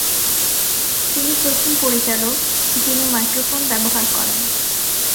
তিনি প্রথম পরিচালক, যিনি মাইক্রোফোন ব্যবহার করেন।